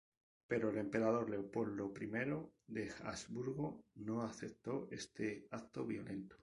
Pero el emperador Leopoldo I de Habsburgo no aceptó este acto violento.